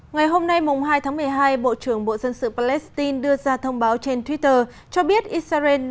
ngày hôm nay hai tháng một mươi hai bộ trưởng bộ dân sự palestine đưa ra thông báo trên twitter cho biết israel đã chuyển cho chính quyền mỹ